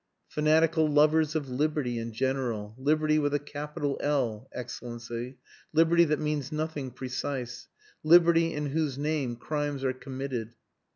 "Fanatical lovers of liberty in general. Liberty with a capital L, Excellency. Liberty that means nothing precise. Liberty in whose name crimes are committed."